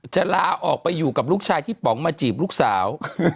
จะลาออกไปอยู่กับลูกชายที่ป๋องมาจีบลูกสาว